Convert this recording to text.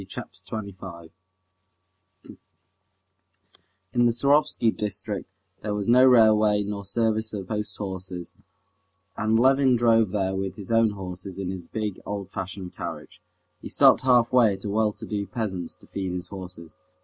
Chapter 25 In the Surovsky district there was no railway nor service of post horses, and Levin drove there with his own horses in his big, old fashioned carriage. He stopped halfway at a well to do peasant's to feed his horses.